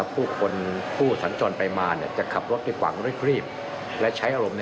ผู้สัญจนไปมาจะขับรถที่กว่างเรียบ